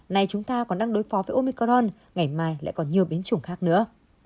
nay chúng ta còn đang đối phó với omicron ngày mai lại có nhiều biến chủng khác nữa